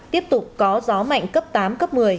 tiếp tục có gió mạnh cấp tám cấp một mươi